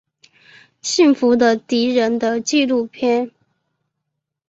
幸福的敌人的纪录片。